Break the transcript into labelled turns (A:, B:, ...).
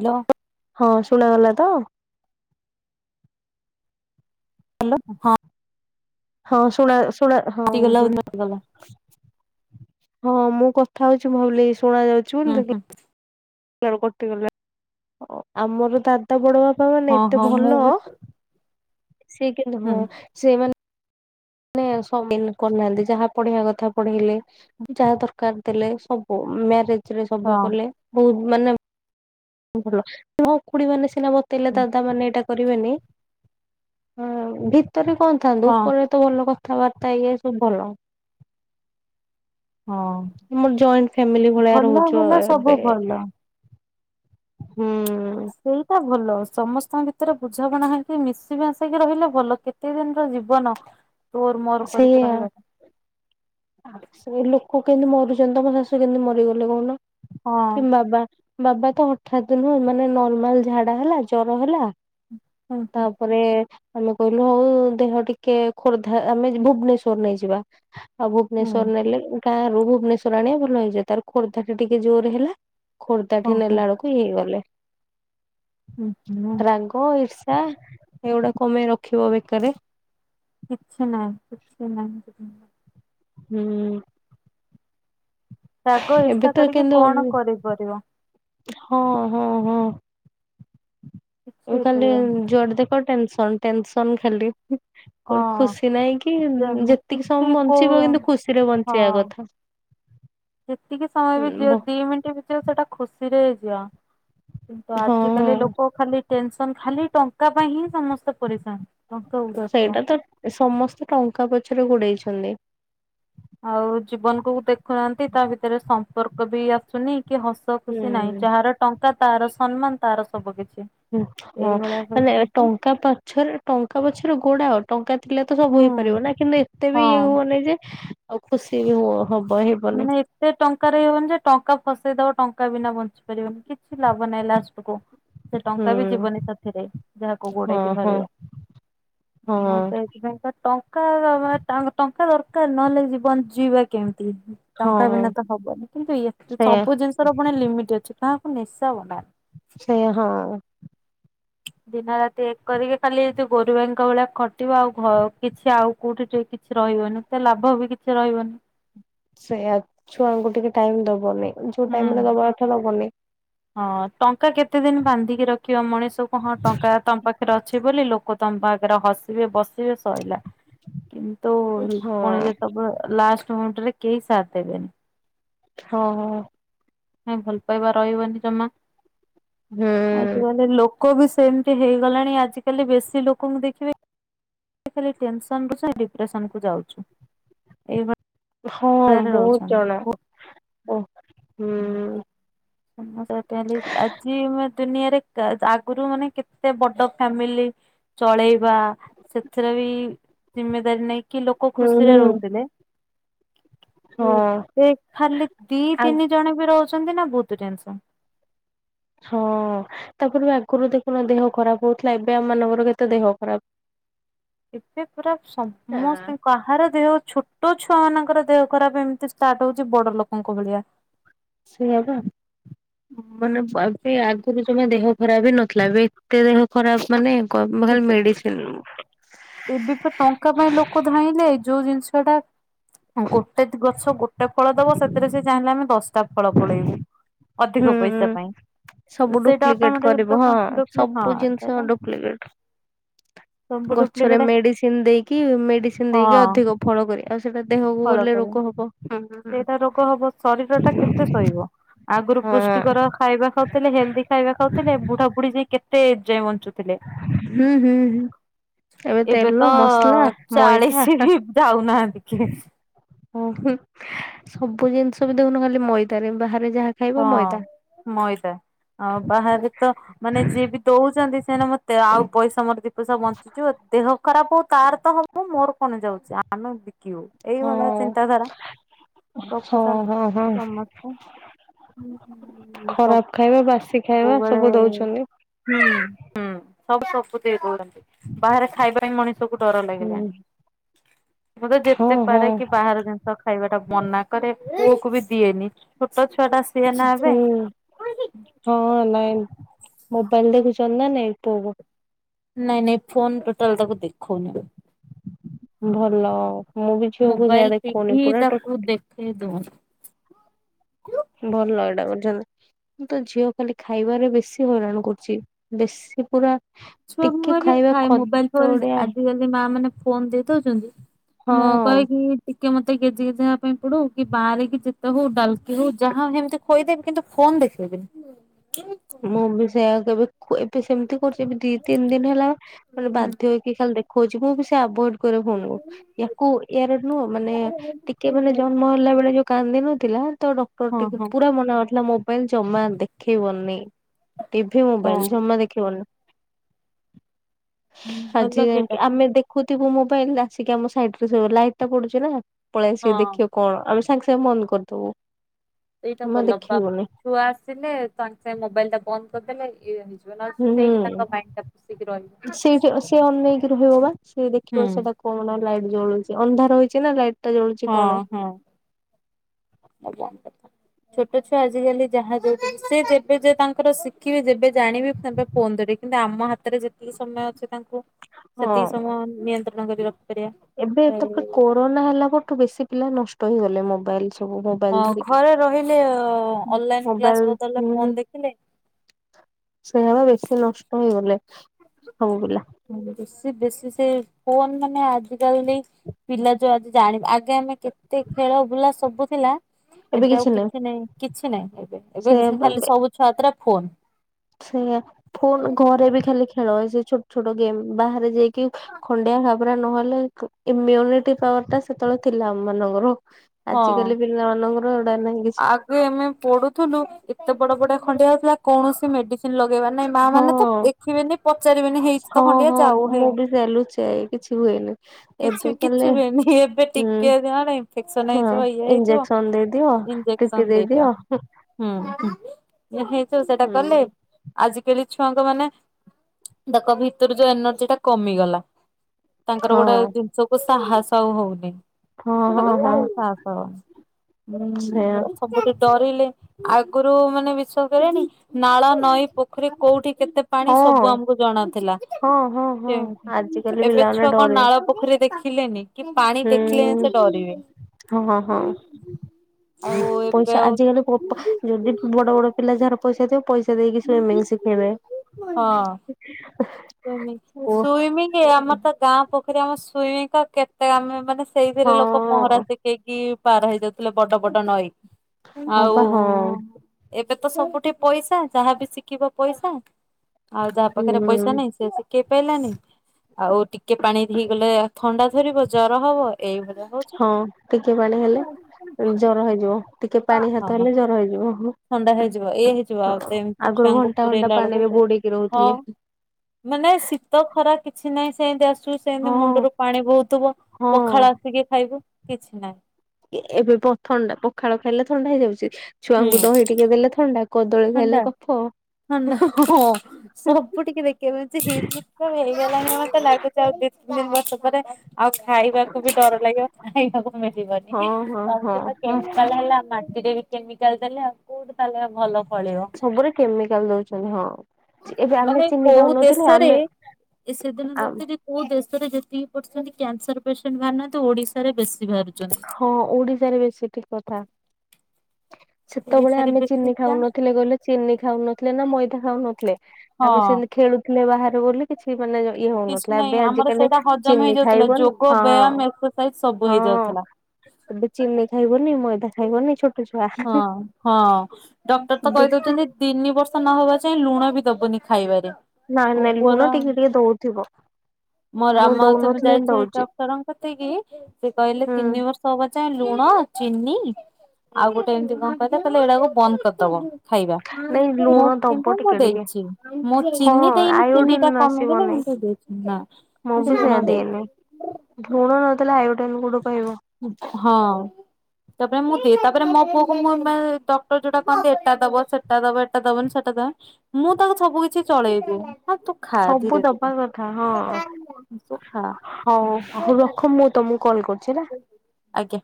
A: Hello.
B: ହଁ ଶୁଣାଗଲା ତ?
A: ହାଲୋ ହଁ।
B: ହଁ ଶୁଣା ଶୁଣା ହଁ
A: କଟିଗଲା
B: ହଁ।
A: କଟିଗଲା
B: ଓ ହୋ, ମୁଁ କଥା ହଉଚି ଭାବିଲି ଶୁଣା ଯାଉଚି ବୋଲି
A: ହୁଁ
B: ଦେଖିଲା
A: ହୁଁ
B: ବେଳକୁ କଟିଗଲା। ଆମର ଦାଦା ବଡ ବାପା
A: ହଁ
B: ମାନେ
A: ହଁ
B: ଏତେ
A: ମୁଁ
B: ଭଲ
A: ବି
B: ସିଏ କିନ୍ତୁ
A: ହୁଁ
B: ହଁ ସେଇ ମାନେ ମାନେ ସ [unintelligible] କରୁନାହାନ୍ତି ଯାହା ପଢିବା କଥା ପଢେଇଲେ। ଯାହା ଦରକାର ଦେଲେ। ସବୁ, ମ୍ୟାରେଜ ରେ ସବୁ
A: ହଁ
B: କଲେ। ବହୁତ ମାନେ ଭଲ। ମୋ ଖୁଡି ମାନେ ସିନା ବତେଇଲେ ଦାଦା ମାନେ ଏଟା କରିବେନି। ଭିତରେ କଣ ଥାନ୍ତୁ
A: ହଁ
B: ଉପରେ ତ ଭଲ କଥାବାର୍ତ୍ତା ଇଏ ସବୁ ଭଲ।
A: ହଁ
B: ଆମର ଜଏଣ୍ଟ ଫ୍ୟାମିଲି ଭଳିଆ
A: ଭଲ
B: ରହୁଚୁ
A: ଭଲ ସବୁ
B: ଏବେ।
A: ଭଲ।
B: ହୁଁ।
A: ସେଇଟା ଭଲ। ସମସ୍ତଙ୍କ ଭିତରେ ବୁଝାବଣା ହେଇକି ମିଶି ମାଶିକି ରହିଲେ ଭଲ। କେ [unintelligible] ଜୀବନ ତୋର ମୋର କରିକି ରହିବା।
B: ସେଇ ଲୋକ କେମିତି ମରୁଚନ୍ତି ତମ ଶାଶୁ କେମିତି ମରିଗଲେ କହୁନ।
A: ହଁ
B: [unintelligible] ବାବା ତ ହଠାତ୍ ନୁହଁ ମାନେ ନର୍ମାଲ ଝାଡା ହେଲା ଜର ହେଲା
A: ହୁଁ
B: ତା
A: ହୁଁ
B: ପରେ ଆମେ କହିଲୁ ହଉ ଦେହ ଟିକେ ଖୋର୍ଦ୍ଧା ଆମେ ଭୁବନେଶ୍ଵର ନେଇଯିବା। ଆଉ
A: ହୁଁ
B: ଭୁବନେଶ୍ଵର ନେଲେ ଗାଁ ରୁ ଭୁବନେଶ୍ୱର ଆଣିବା ଭଲ ହେଇଯିବ। ତାପରେ ଖୋର୍ଦ୍ଧା ଠେ ଟିକେ ଜୋରରେ ହେଲା। ଖୋର୍ଦ୍ଧା
A: ହଁ
B: ଠେ
A: ହଁ
B: ନେଲା ବେଳକୁ ଇଏ ହେଇଗଲେ।
A: [unintelligible]
B: ରାଗ, ଇର୍ଷା ଏଗୁଡା କପେଇଁ ରଖିବ ବେକାରେ।
A: କିଛି ନାହିଁ, କିଛି ନାହିଁ, କିଛି ନାହିଁ।
B: ହୁଁ।
A: ରାଗ
B: ଏବେ
A: ଇର୍ଷା
B: ତ
A: କରିକି
B: କିନ୍ତୁ
A: କଣ କରିପାରିବ।
B: ହଁ ହଁ ହଁ।
A: କିଛି
B: ଏଇ ଖାଲି
A: ହେଇପାରିବନି
B: ଯୁଆଡେ ଦେଖିବ ଟେନସନ୍ ଟେନସନ୍ ଖାଲି। କୋଉଠି
A: ହଁ।
B: ଖୁସି ନାହିଁ କି ଯେତିକି ସମୟ
A: କିଛି
B: ବଞ୍ଚିବ
A: କୋଉ
B: କିନ୍ତୁ ଖୁସିରେ ବଞ୍ଚିବା କଥା।
A: ସେତିକି ସମୟ ବି ଯିବ ଦି ମିନିଟ ଭିତରେ ସେଟା ଖୁସିରେ ଯାଆ। କିନ୍ତୁ
B: ହଁ
A: ଆଜିକାଲି ଲୋକ ଖାଲି ଟେନସନ୍ ଖାଲି ଟଙ୍କା ପାଇଁ ହିଁ ସମସ୍ତେ ପରିସାନ୍। [unintelligible]
B: ସେଇଟା ତ ସମସ୍ତେ ଟଙ୍କା ପଛରେ ଗୋଡେଇଛନ୍ତି।
A: ଆଉ ଜୀବନ କୁ ଦେଖୁନାହାନ୍ତି। ତା ଭିତରେ ସମ୍ପର୍କ ବି ଆସୁନି। କି ହସ ଖୁସି ନାହିଁ। ଯାହାର ଟଙ୍କା ତାର ସମ୍ମାନ ତାର ସବୁ କିଛି। ଏଇଭଳିଆ
B: ମାନେ
A: କହିଥାଉଛି
B: ଟଙ୍କା ପଛରେ ଟଙ୍କା ପଛରେ ଗୋଡାଅ ଟଙ୍କା ଥିଲେ ତ
A: ହୁଁ
B: ସବୁ ହେଇପାରିବ ନା। କିନ୍ତୁ ଏତେ ବି ଇଏ
A: ହଁ।
B: ହୁଅନି ଯେ ଆଉ ଖୁସି ବି ହୁଅ ହବ ହେ
A: ମାନେ ଏତେ ଟଙ୍କା ରେ ଇଏ ହୁଅନି ଯେ ଟଙ୍କା ଫସେଇଦବ ଟଙ୍କା ବିନା ବଞ୍ଚି ପାରିବନି। କିଛି ଲାଭ ନାହିଁ। ଲାଷ୍ଟକୁ [unintelligible] ସେ
B: ହୁଁ
A: ଟଙ୍କା ବି ଯିବନି ସାଥିରେ। ଯାହାକୁ
B: ହଁ
A: ଗୋଡେଇକି
B: ହଁ।
A: ଧରିବ।
B: ହଁ
A: ମଣିଷ ହେ ଥିପାଇଁ ତ ଟଙ୍କା ଟଙ୍କା ଦରକାର ନହେଲେ ଜୀବନ ଯିଇବା କେମତି। ଟଙ୍କା
B: ହଁ
A: ବିନାତ ହବନି କିନ୍ତୁ ଏ
B: ସେଇୟା
A: ସବୁ ଜିନିଷର ପୁଣି ଲିମିଟ୍ ଅଛି କାହାକୁ ନିଶା ବନାନି।
B: ସୋୟା ହଁ।
A: ଦିନ ରାତି ଏକ କରିକି ଖାଲି ଯୋଉ ଗୋରୁ ଗାଈଙ୍କ ଭଳିଆ ଖଟିବ ଆଉ ଘ କିଛି ଆଉ କୋଉଠି ଟିକେ କିଛି ରହିବନି। ଏତେ ଲାଭବି କିଛି ରହିବନି।
B: ସେଆ ଛୁଆଙ୍କୁ ଟିକେ ଟାଇମ୍ ଦବନି ଯୋଉ
A: ହୁଁ।
B: ଟାଇମ୍ ରେ ଦବା କଥା ଦବନି
A: ହଁ ଟଙ୍କା କେତେ ଦିନ ବାନ୍ଧିକି ରଖିବ ମଣିଷକୁ ହଁ ଟଙ୍କା ତମ ପାଖରେ ଅଛି ବୋଲି ଲୋ କ ତମ ପାଖରେ ହସିବେ ବସିବେ ସଇଲା। କିନ୍ତୁ
B: ହଁ
A: ପୁଣି ଯେତେବେଳେ ଲାଷ୍ଟ୍ ମୋମେଣ୍ଟରେ କେହି ସାତ୍ ଦେବେନି।
B: ହଁ ହଁ।
A: ନାଇଁ ଭଲ ପାଇବା ରହିବନି ଜମା।
B: ହୁଁ।
A: ଆଜି କାଲି ଲୋକବି ସେମିତି ହେଇଗଲାଣି ଆଜିକାଲି ବେଶୀ ଲୋକଙ୍କୁ ଦେଖିବେ ସେଖାଲି ଟେନସନ୍ କୁଯାଇ ଡିପ୍ରେସନ୍ କୁ ଯାଉଚୁ ଏଇଭ
B: ହଁ ବହୁତ୍ ଜଣ ଅ ହୁଁ।
A: [unintelligible] ଆଜି ମା ଦୁନିଆରେ କା ଆଗୁରୁ ମାନେ କେତେ ବଡ ଫ୍ୟାମିଲି ଚଳେଇବା ସେଥିରବି ଜିମେଦାରି ନେଇ କି ଲୋକ
B: ହୁଁ
A: ଖୁସିରେ
B: ହୁଁ
A: ରହୁଥିଲେ। ହୁଁ
B: ହଁ।
A: ସେଖାଲି ଦି
B: ଆଉ
A: ତିନି ଜଣବି ରହୁଚନ୍ତିନା ବହୁତ୍ ଟେନସନ୍।
B: ହଁ ତାପରେବି ଆଗରୁ ଦେଖୁନ ଦେହ ଖରାପ୍ ହଉଥିଲା ଏବେ ଆମ ମାନଙ୍କର କେତେ ଦେହ ଖରାପ୍
A: ଏବେ ପୁରା ସମସ୍ତ କାହାର ଦେହ ଛୋଟ ଛୁଆ ମାନଙ୍କର ଦେହ ଖରାପ୍ ଏମିତି ଷ୍ଟାର୍ଟ ହଉଚି ବଡ଼ ଲୋକଙ୍କ ଭଳିଆ।
B: ସେଇୟାପା। ମାନେ ଏବେ ଆଗରୁ ଜମା ଦେହ ଖରାପ୍ ନଥିଲା ଏବେ ଏତେ ଦେହ ଖରାପ୍ ମାନେ ଖାଲି
A: [unintelligible]
B: ମେଡିସିନ
A: ଏବେତ ଟଙ୍କା ପାଇଁ ଲୋକ ଧାଇଁଲେ ଯୋଉ ଜିନିଷଟା ଗୋଟେ ଗ ଛ ଗୋଟା ଫଳ ଦବ ସେଥିରେ ସେ ଚାହିଁଲେ ଆମେ ଦଶଟା ଫଳ ପଳେଇବୁ
B: ହୁଁ
A: ଅଧିକ ପଇସା ପାଇଁ।
B: ସବୁ
A: ସେଇଟା
B: ଡୁପ୍ଲିକେଟ କରିବ ହଁ
A: ଅଟୋମେଟିକାଲି [unintelligible] ହଁ
B: ସବୁ ଜିନିଷ
A: ସେଇଟା
B: ଡୁପ୍ଲିକେଟ
A: ସବୁ
B: ଗଛରେ
A: ଡୁପ୍ଲିକେଟ
B: ମେଡ଼ିସିନ୍ ଦେଇକି ମେଡ଼ିସିନ୍
A: ହଁ
B: ଦେଇକି ଅଧିକ ଫଳ କରିବା ଆ ସେଟା ଦେହକୁ
A: ଫଳ
B: ଗଲେ
A: କରେ
B: ରୋଗ ହବ ହୁଁ
A: ସେଇଟା ରୋଗ ହବ ଶରୀର ଟା
B: ହୁଁ
A: କେତେ
B: ହୁଁ।
A: ସହିବ ଆଗରୁ ପୃଷ୍ଟିକର ଖାଇବା ଖାଉଥିଲେ ହେଲ୍ଦି ଖାଇବା ଖାଉଥିଲେ ବୁଢା ବୁଢୀ ଯାଇ କେତେ ଏଜ୍ ଯାଇ ବଞ୍ଚୁ
B: ହୁଁ ହୁଁ ହୁଁ। ଏବେ ତେଲ ମସଲା ମଇଦା
A: ଚାଳିଶ
B: ହା
A: ବି ଯାଉନାହାନ୍ତି କି
B: ଉହୁଁ ସବୁ ଜିନିଷବି ଦେଖୁନୁ ଖାଲି ମଇଦାରେ ବାହାରେ ଯାହା ଖାଇବ
A: ହଁ
B: ମଇଦା।
A: ମଇଦା ଆଉ ବାହାରେ ତ ମାନେ ଯିଏବି ଦଉଚନ୍ତି ସେମାନେ ମତେ ଆଉ ପଇସା ମୋର ଦିପଇସା ବଞ୍ଚୁଯିବ ଦେହ ଖରାପ୍ ହଉ ତାରତ ହବ ମୋର କଣ ଯାଉଚି ଆ ମାନ ବିକିବୁ ଏଇଭଳିଆ
B: ହଁ
A: ଚିନ୍ତାଧାରା
B: ହଁ
A: ରଖୁଛନ୍ତି
B: ହଁ ହଁ
A: ସମସ୍ତେ। ହୁଁ ହୁଁ।
B: ଖରାପ୍ ଖାଇବା ବାସି ଖାଇବା ସବୁ ଦଉଛନ୍ତି।
A: ହୁଁ ହୁଁ ସବୁ ସବୁ ଦେଇ ଦଉଚନ୍ତି ବାହାରେ ଖାଇବା ପାଇଁ ମଣିଷ ମଣିଷକୁ ଡର
B: ହୁଁ
A: ଲାଗିଲାଣି। ମୋର
B: ହଁ
A: ଯେତେ
B: ହଁ
A: ପାରେକି ବାହାର ଜିନିଷ ଖାଇବାଟା ମନା କରେ ପୁଅକୁବି ଦିଏନି। ଛୋଟ ଛୁଆଟା ସିଏନା ଏବେ
B: ହୁଁ ହଁ ନାଇଁ ମୋବାଇଲ୍ ଦେଖୁଛନ୍ତିନା ନାଇଁ ପୁଅକୁ?
A: ନାଇଁ ନାଇଁ ଫୋନ୍ ଟୋଟାଲି ତାକୁ ଦେଖଉନି ମୁଁ।
B: ଭଲ ମୁଁବି ଝିଅକୁ
A: ମୋବାଇଲ
B: ଯାହା ଦେଖଉନି
A: ଟିଭି
B: ପୁରା ଟୋ
A: ତାକୁ [unintelligible]
B: ଭଲ ଏଇଟା କରିଚନ୍ତି। ମୁଁତ ଝିଅ ଖାଲି ଖାଇବାରେ ବେଶୀ ହଇରାଣ କରୁଚି ବେଶୀ ପୁରା
A: ଛୁଆ କଣ
B: ଟିକେ
A: କଇଲେ
B: ଖାଇବା
A: ଖାଇ ମୋବାଇଲ୍ ଫୋବାଇଲ୍
B: ଖଦଡିଆ
A: ଆଜିକାଲି ମା ମାନେ ଫୋନ୍ ଦେଇ ଦଉଚନ୍ତି।
B: ହଁ
A: ମୁଁ କହେକି ଟିକେ ମତେ ଗେଜେ ଗେଜେ ହେବା ପାଇଁ ପଡୁ କି ବାଁରେଇକି ଯେତେ ହୋଉ ଡାଲକି ହଉ ଯାହା ହେମତି ଖୋଇଦେବି କିନ୍ତୁ ଫୋନ ଦେଖେଇବିନି।
B: ମୁଁ ବି ସେୟା କେବେ ଏବେ ସେମିତି କରୁଛି ଏବେ ଦି ତିନି ଦିନ ହେଲା ମାନେ
A: ହୁଁ।
B: ବାଧ୍ୟ ହେ କି ଖାଲି ଦେଖଉଛି ମୁଁ ବି ସେ ଆଭଏଡ୍ ରେ ହୁଣୁ ୟାକୁ ୟାର ନୁହଁ ମାନେ ଟିକେ ମାନେ ଜନ୍ମ ହେଲା ବେଳେ ଯୋଉ କାନ୍ଦିନଥିଲା ତ ଡକ୍ଟର
A: ହଁ
B: ଟିକେ
A: ହଁ
B: ପୁରା ମନା କରିଥିଲା ମୋବାଇଲ ଜମା ଦେଖେଇବନି। ଟିଭି ମୋବାଇଲ
A: ହଁ
B: ଜମା ଦେଖେଇବନି
A: ଭଲ
B: ଆଜି
A: ସେଇଟା
B: ଆମେ ଦେଖୁଥିବୁ ମୋବାଇଲ ଆସିକି ଆମ ସାଇଡରେ ଲାଇଟ ଟା ପଡୁଛି ନା ପଳେଇ ଆସିକି
A: ହଁ।
B: ଦେଖିବ କଣ ଆମ ସାଙ୍ଗ ସାଙ୍ଗେ ବନ୍ଦ୍ କରିଦୋବୁ।
A: ଏଇଟା ଭଲ ବା ଛୁଆ ଆସିଲେ ସାଙ୍ଗେ ସାଙ୍ଗେ ମୋବାଇଲ ଟା ବନ୍ଦ କରିଦେଲେ ଇଏ ହେଉଛି। ନହେଲେ
B: ହୁଁ
A: ସେ ସେଇଠି
B: ହୁଁ।
A: ତାଙ୍କ ମାଇଣ୍ଡ ଟା ପଶିକି ରହିବ।
B: ସେଇଠି ସେ ଅନେଇକି ରହିବ ବା ସେ ଦେଖିବ
A: ହୁଁ
B: ସେଟା କଣ ଲାଇଟ୍ ଜଳୁଛି ଅନ୍ଧାର ହେଇଛି ନା ଲାଇଟ ଟା ଜଳୁଛି
A: ହଁ
B: କଣ
A: ହଁ ଆଜ୍ଞା। ଛୋଟ ଛୁଆ ଆଜିକାଲି ଯାହା ଯୋଉଠି ସେ ଯେବେ ଯେ ତାଙ୍କର ଶିଖିବି ଯେବେ ଜାଣିବେ ସେବେ ଫୋନ ଧରିକି କିନ୍ତୁ ଆମ ହାତରେ ଯେତିକି ସମୟ ଅଛି ତାଙ୍କୁ ସେତିକି ସମୟ
B: ହଁ।
A: ନିୟନ୍ତ୍ରଣ କରି ରଖ
B: ଏବେ ତାପରେ କୋରୋନା ହେଲା ପରଠୁ ବେଶୀ ପିଲା ନଷ୍ଟ ହେଇଗଲେ ମୋବାଇଲ ସବୁ ମୋବାଇଲ
A: ହଁ
B: ଧରିକି
A: ଘରେ ରହିଲେ ଅନଲାଇନ କ୍ଲାସ ବଦଳରେ ଫୋନ
B: ମୋବାଇଲ
A: ଦେଖିଲେ
B: ସେଇଆ ବା ବେଶୀ ନଷ୍ଟ ହେଇଗଲେ ସବୁ ପିଲା।
A: ବେଶୀ ବେଶୀ ସେ ଫୋନ ମାନେ ଆଜିିକାଲି ପିଲା ଯୋଉ ଆଜି ଜାଣିବା ଆଗେ ଆମେ କେତେ ଖେଳ ବୁଲା ସବୁ ଥିଲା ଏବେ ଆଉ କିଛି ନାଇଁ କିଛି ନାହିଁ। ଏବେ ଏବେ ଖାଲି ସବୁ ଛୁଆ ହାତରେ ଫୋନ।
B: ସେୟା ଫୋନ୍ ଘରେ ବି ଖାଲି ଖେଳ ସେ ଛୋଟ ଛୋଟ ଗେମ୍ ବାହାରେ ଯାଇକି ଖଣ୍ଡିଆ ଖାବରା ନହେଲେ ଇମ୍ୟୁନିଟି ପାୱାର ଟା ସେତେବେଳେ ଥିଲା ଆମ ମାନଙ୍କର।
A: ହଁ
B: ଆଜିକାଲି ପିଲାମାନଙ୍କର ଏଉଡା ନାହିଁ। କିଛି
A: ଆଗେ ଆମେ ପଡୁଥିଲୁ ଏତେ ବଡ ବଡିଆ ଖଣ୍ଡିଆ ହଉଥିଲା କୌଣସି ମେଡିସି ନ୍ ଲଗେଇବା ନାଇଁ ମା
B: ହଁ
A: ମାନେ ତ ଦେଖିବେନି ପଚାରିବେନି ହେଇଛିି ତ
B: ହଁ
A: ଖଣ୍ଡିଆ
B: ହଁ
A: ଯାଉ ହେ
B: ମୁଁ ବି ସେୟା ଲୁଚାଏ କିଛି ହୁଏନି।
A: କିଛି
B: ଏବେ କାଲି
A: କିଛିବି ହେଇନି। ଏବେ
B: ହୁଁ
A: ଟିକେ କଣ ଇନଫେକ୍ସନ ହେଇଯିବ ଇଏ ହେଇଜିବ
B: ସନ ଦେଇଦିଅ। ଟି ଟି ଦେଇଦିଅ।
A: ହୁଁ ହେଇଥିବ ସେଟା କଲେ
B: ହୁଁ
A: ଆଜିକାଲି ଛୁଆଙ୍କ ମାନେ ତାଙ୍କ ଭିତରୁ ଯୋଉ ଏନର୍ଜି ଟା କମିଗଲା। ତାଙ୍କର
B: ହଁ
A: ଗୋଟେ ଜିନିଷକୁୁ ସାହସ ଆଉ ହଉନି
B: ହଁ
A: ଗୋଟେ
B: ହଁ
A: କଥା
B: ହଁ
A: ସାହସ
B: ସେଇଆ
A: ହଁ ସବୁ ତ ଡରିଲେ ଆଗରୁ ମାନେ ବିଶ୍ୱାସ କରିବେନି ନାଳ ନଈ ପୋଖରୀ କୋଉଠି କେତେ ପାଣି ସବୁ
B: ହଁ
A: ଆମକୁ ଜଣାଥିଲା।
B: ହଁ ହଁ ହଁ
A: ସେ
B: ଆଜିକାଲି
A: ଏବେ
B: ପିଲାମାନେ
A: ଛୁଆ କଣ
B: ଡରିବେ
A: ନାଳ ପୋଖରୀ ଦେଖିଲେନି। କି ପାଣି ଦେଖିଲେ ହିଁ ସେ ଡରିବେ।
B: ହଁ ହଁ ହଁ
A: ଆଉ ଏବେ
B: ପଇସା
A: ଆଉ
B: ଆଜିକାଲି ପ ଯଦି ବଡ ବଡ ପିଲା ଯାହାର ପଇସା ଥିବ ପଇସା ଦେଇକି ସୁଇମିଂ ଶିଖେଇବେ।
A: ହଁ।
B: [inaudible] ଓହୋ
A: ସୁଇମିଙ୍ଗ ଆମର ତ ଗାଁ ପୋଖରୀ ଆମ ସୁଇମିଙ୍ଗ କେତେ ଆମେ ମାନେ ସେଇଥିରେ ଲୋକ ପହଁରା
B: ହଁ
A: ଶିଖେଇକି ପାର ହେଇଯାଉଥିଲେ ବଡ ବଡ ନଈ
B: ହଁ
A: ଆଉ
B: ବା ହଁ
A: ଏବେ ତ ସବୁଠି ପଇସା ଯାହା ବି ଶିଖିବ ପଇସା ଆଉ ଯାହା ପାଖରେ ପଇସା
B: ହୁଁ
A: ନାହିଁ ସେ ସିକେଇ ପାଇଲାନି ଆଉ ଟିକେ ପାଣି ହେଇଗଲେ ଥଣ୍ଡା ଧରିବ ଜ୍ୱର ହବ ଏଇଭଳିଆ ହଉ
B: ହଁ ଟିକେ ପାଣି ହେଲେ ଜର ହେଇଯିବ ଟିକେ ପାଣି ହାତ
A: ହଁ
B: ହେଲେ ଜର ହେଇଯିବ ହଁ।
A: ଥଣ୍ଡା ହେଇଯିବ ଏଇ ହେଇଯିବ ଆଉ ତ ଏମିତି
B: ଆଗରୁ
A: ଛୁଆଙ୍କୁ
B: ଘଣ୍ଟା ଘଣ୍ଟା
A: ପୁରେଇଲା
B: ପାଣିରେ
A: ବେଳକୁ
B: ବୁଡିକି
A: ହଁ
B: ରହୁଥିଲେ
A: ମାନେ ଶୀତ ଖରା କିଛି ନାହିଁ ସେନନ୍ତି ସୁ ସେମତି
B: ହଁ
A: ମୁଣ୍ଡରୁ ପାଣି ବହୁଥିବ
B: ହଁ।
A: ପଖାଳ ଆସିକି ଖାଇବୁ କିଛି ନାହିଁ।
B: ଏ ଏବେ ପ ଥଣ୍ଡା ପଖାଳ ଖାଇଲେ ଥଣ୍ଡା ହେଇଯାଉଛି ଛୁଆଙ୍କୁ
A: ହୁଁ।
B: ଦହି ଟିକେ ଦେଲେ ଥଣ୍ଡା ହେଲେ କଫ
A: ଥଣ୍ତା ହଁ ସବୁ ଟିକେ ଦେଖିବା [unintelligible] ହେଇଗଲାଣିି ମତେ ଲାଗୁ କି ଆଉ ଦି ତିନି ବର୍ଷ ପରେ ଆଉ ଖାଇବାକୁ ବି ଡର ଲାଗିବ ଖାଇବାକୁ ମିଳିବନି।
B: ହଁ ହଁ
A: ସବୁ ଥିରେ ତ
B: ହଁ
A: କେମିକାଲ ହେଲା ମାଟିରେ ବି କେମିକାଲ ଦେଲେ ଆଉ କୋଉଠି ତାଲେ ଭଲ ଳ ଫଳିବ
B: ସବୁରେ କେମିକାଲ ଦଉଛନ୍ତି ହଁ। ଏବେ ଆମେ
A: ମାନେ
B: ଚିନି
A: କୋଉ
B: ଖାଉନଥିଲେ
A: ଦେଶରେ
B: ଆମେ
A: ଏ ସେଦିନ
B: ଆ
A: ଦେଖୁଥିଲି କୋଉ ଦେଶରେ ଯେତିକି ପର୍ସେଣ୍ଟ କ୍ୟାନସର ପେସେଣ୍ଟ ବାହାରୁନାହାନ୍ତି ଓଡିଶାରେ ବେଶୀ ବାହାରୁଛନ୍ତି।
B: ହଁ ଓଡିଶାରେ ବେଶୀ ଠିକ କଥା। ସେତେବେଳେ
A: ଓଡିଶାରେ
B: ଆମେ
A: ବେଶୀ
B: ଚିନି
A: ଚାନ୍ସ
B: ଖାଉନଥିଲେ କହିଲେ ଚିନି ଖାଉନଥିଲେ ନା ମଇଦା ଖାଉନଥିଲେ ଆମେ
A: ହଁ।
B: ସେନି ଖେଳୁଥିଲେ ବାହାରେ ବୋଲି କିଛି ମାନେ ଯ ଇଏ
A: କିଛି
B: ହଉନଥିଲା
A: ନାହିଁ
B: ଏବେ
A: ଆମର
B: ଆଜିିକାଲି
A: ସେଇଟା ହଜମ
B: ଚିନି
A: ହେଇଯାଉଥିଲା
B: ଖାଇବନି
A: ଯୋଗ
B: ହଁ
A: ବ୍ୟାୟାମ ଏକ୍ସରସାଇଜ ସବୁ
B: ହଁ।
A: ହେଇଯାଉଥିଲା।
B: ଏବେ ଚିନି ଖାଇବନି ମଇଦା ଖାଇବନି ଛୋଟ ଛୁଆ
A: ହଁ ହଁ ଡକ୍ଟର ତ
B: ବେଶୀ
A: କହିଦଉଛନ୍ତି ତିନି ବର୍ଷ ନହବା ଯାଏଁ ଲୁଣ ବି ଦବୁନି ଖାଇବାରେ।
B: ନାଇଁ
A: ମୋ
B: ନାଇଁ ଲୁଣ ଟିକେ ଟିକେ ଦଉଥିବ।
A: ମୋ
B: ମୁଁ
A: ରାମ ଉତ
B: ଦଉନଥିଲି
A: ଯାଇଥିଲି
B: ଦଉଛି
A: ଡକ୍ଟରଙ୍କ କତିକି ସେ କହିଲେ
B: ହୁଁ
A: ତିନି ବର୍ଷ କ ଯାଏ ଲୁଣ ଚିନି ଆଉ ଗୋଟେ ଏମିତି କଣ କହିଲେ କହିଲେ ଏଇଡାକୁ ବନ୍ଦ କରିଦବ। ଖାଇବା
B: ନାଇଁ
A: ମୁଁ
B: ଲୁଣ ଦବ
A: କିନ୍ତୁ ମୁଁ
B: ଟିକେ ଟିକେ
A: ଦେଇଛି ମୁଁ
B: ହଁ
A: ଚିନି ଦେଇନି ଚିନି ଟା
B: ଆୟୋଡିନ
A: କମିଦେଲେ
B: ଆସିବନି
A: କିନ୍ତୁ ଦେଇଛି ନା।
B: ମୁଁ
A: କିନ୍ତୁ
B: ବି
A: ଲୁଣ
B: ସେୟା
A: ଦେଇଛି।
B: ଦିଏନି ଭୁଣ ନଦେଲେ ଆୟୋଡ଼ିନ କୋଉଠୁ ପାଇବ।
A: ହଁ। ତାପରେ ମୁଁ ଦିଏ ତାପରେ ମୋ ପୁଅକୁ ମୁଁ ମେ ଡକ୍ଟର ଯୋଉଟା କହନ୍ତି ଏଟା ଦବ ସେଟା ଦବ ଏଟା ଦବନି ସେଟା ଦବ ମୁଁ ତାକୁ ସବୁ କିଛି ଚଳେଇ ଦିଏ ହ ତୁ ଖା
B: ସବୁ
A: ଧୀରେ
B: ଦବା
A: ଧୀରେ
B: କଥା ହଁ
A: ତୁ ଖା
B: ହଉ ହଉ ରଖ ମୁୁ ତମକୁ କଲ୍ କରୁଚି ହେଲା।
A: ଆଜ୍ଞା।